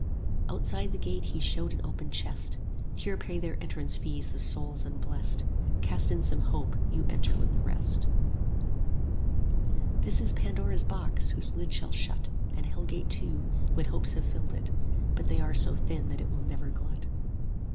Outside the gate he showed an open chest: Here pay their entrance fees the souls unblest; 35 Cast in some hope, you enter with the rest. This is Pandora's box; whose lid shall shut, And Hell gate too, when hopes have filled it; but They are so thin that it will never glut.